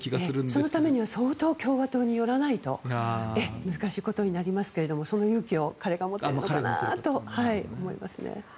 そのためには相当共和党に寄らないと難しいことになりますがその勇気を彼が持てるのかな？と思いますね。